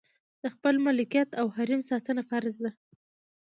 د خپل ملکیت او حریم ساتنه فرض ده.